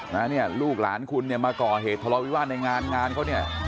แล้วเนี่ยลูกหลานคุณเนี่ยมาก่อเหตุธรรมวิวัติในงานงานเขาเนี่ย